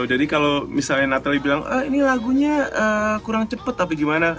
jadi kalau misalnya natalie bilang ahh ini lagunya kurang cepet tapi gimana